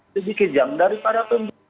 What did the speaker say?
sedikit jam daripada